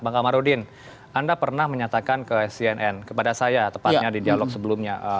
bang kamarudin anda pernah menyatakan ke cnn kepada saya tepatnya di dialog sebelumnya